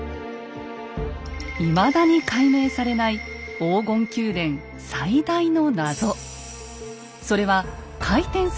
いまだに解明されない黄金宮殿最大の謎。